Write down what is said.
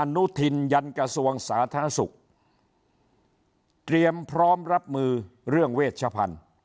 อนุทินยันกระทรวงสาธารณสุขเตรียมพร้อมรับมือเรื่องเวชพันธุ์